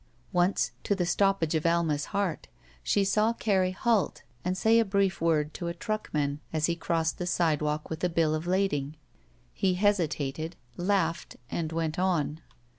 Once, to the stoppage of Alma's heart, she saw Carrie halt and say a brief word to a truckman as he crossed the sidewalk with a bill of lading. He he^tated, laughed, and went on.